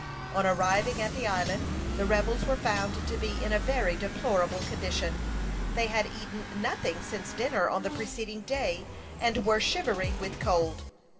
On arriving at the island, the rebels were found to be in a very deplorable condition. They had eaten nothing since dinner on the preceding day, and were shivering with cold.